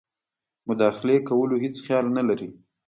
مداخلې کولو هیڅ خیال نه لري.